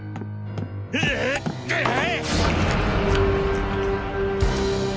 うぅああ！